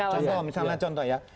contoh misalnya contoh ya